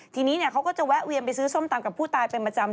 ทีนี้เขาก็จะแวะเวียนไปซื้อส้มตำกับผู้ตายเป็นประจำ